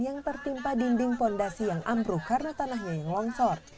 yang tertimpa dinding fondasi yang ambruk karena tanahnya yang longsor